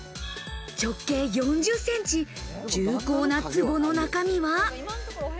直径４０センチ、重厚なツボの中身は？